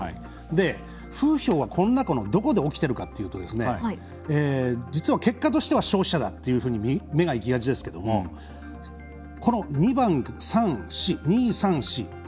風評はこの中のどこで起きているかというと実は結果として消費者だと目がいきがちですけどこの２、３、４番。